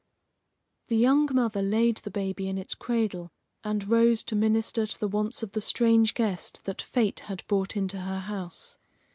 The young mother laid the baby in its cradle, and rose to minister to the wants of the strange guest that fate had brought into her house.